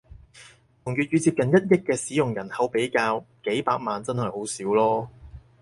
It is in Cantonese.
同粵語接近一億嘅使用人口比較，幾百萬真係好少囉